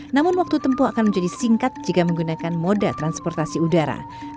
namun waktu tempuh akan menjadi singkat jika menggunakan moda transportasi udara